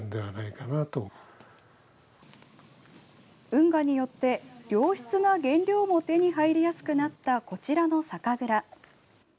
運河によって良質な原料も手に入りやすくなったこちらの酒蔵。